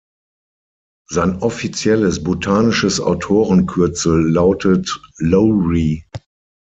Sein offizielles botanisches Autorenkürzel lautet „Lowrie“.